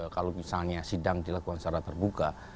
kalau misalnya sidang dilakukan secara terbuka